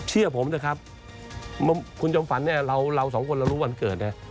หมดเวลาของถามตรงคุณผู้ชมค่ะ